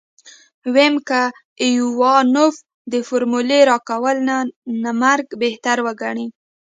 ويم که ايوانوف د فارمولې راکولو نه مرګ بهتر وګڼي.